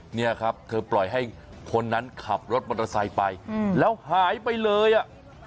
เนี่ยครับเธอปล่อยให้คนนั้นขับรถมอเตอร์ไซค์ไปแล้วหายไปเลยอ่ะ